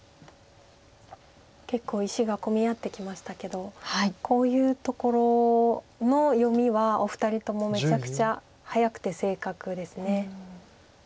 結構石が混み合ってきましたけどこういうところの読みはお二人ともめちゃくちゃ早くて正確です。